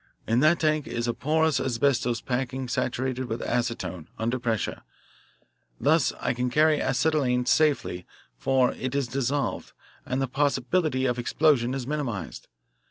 In that tank is a porous asbestos packing saturated with acetone, under pressure. Thus I can carry acetylene safely, for it is dissolved, and the possibility of explosion is minimised.